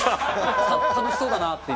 楽しそうだなって。